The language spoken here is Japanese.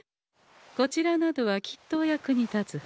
こちらなどはきっとお役に立つはず。